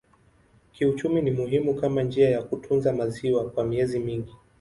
Kiuchumi ni muhimu kama njia ya kutunza maziwa kwa miezi mingi.